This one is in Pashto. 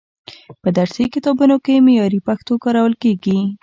په درسي کتابونو کې معیاري پښتو کارول کیږي.